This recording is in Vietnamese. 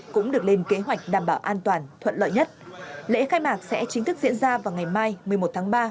cũng được lên kế hoạch đảm bảo an toàn thuận lợi nhất lễ khai mạc sẽ chính thức diễn ra vào ngày mai một mươi một tháng ba